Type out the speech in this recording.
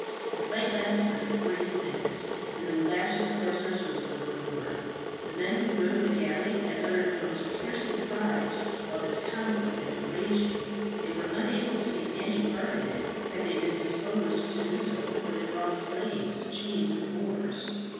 The fight lasted but three minutes, and then the last of the corsairs was overboard. The men who rowed the galley had uttered the most piercing cries while this conflict had been raging. They were unable to take any part in it, had they been disposed to do so, for they were all slaves chained to the oars.